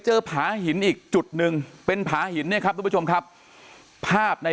ผาหินอีกจุดหนึ่งเป็นผาหินเนี่ยครับทุกผู้ชมครับภาพใน